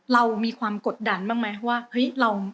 เรามีความกดดันบ้างมั้ยว่า